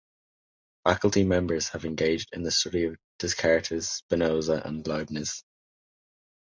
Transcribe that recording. Faculty members have engaged in the study of Descartes, Spinoza and Leibniz.